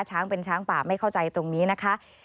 ช้างเป็นช้างป่าไม่เข้าใจตรงนี้นะคะ